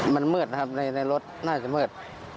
มันมืดนะครับในรถน่าจะมืด